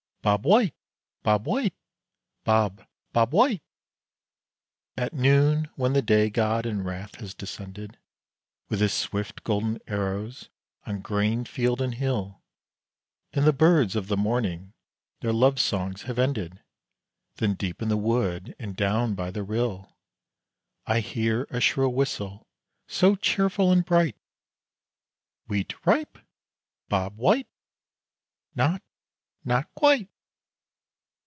"Bob White! Bob White! Bob Bob White!" At noon, when the day god in wrath has descended, With his swift golden arrows, on grain field and hill; And the birds of the morning their love songs have ended, Then deep in the wood, and down by the rill I hear a shrill whistle, so cheerful and bright: "Wheat ripe? Bob White! Not not quite!"